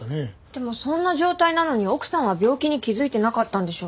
でもそんな状態なのに奥さんは病気に気づいてなかったんでしょうか？